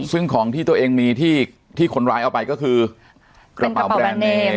ซึ่งของที่ตัวเองมีที่คนร้ายเอาไปก็คือกระเป๋าแบรนด์เนม